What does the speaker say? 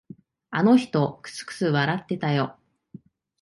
あの人、くすくす笑ってたよ。